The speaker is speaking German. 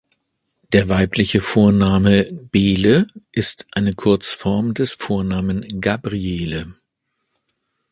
Der weibliche Vorname Bele ist eine Kurzform des Vornamen Gabriele.